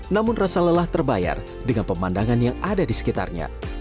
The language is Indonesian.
namun rasa lelah terbayar dengan pemandangan yang ada di sekitarnya